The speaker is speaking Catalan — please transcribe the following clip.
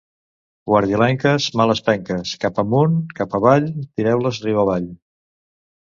Guardiolenques, males penques, cap amunt, cap avall, tireu-les riu avall.